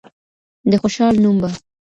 د خوشال نوم به